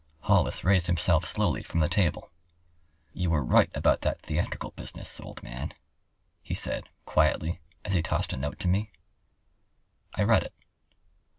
Hollis raised himself slowly from the table. "You were right about that theatrical business, old man," he said, quietly, as he tossed a note to me. I read it.